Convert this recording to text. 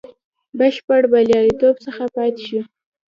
بشپړ بریالیتوب څخه پاته شو.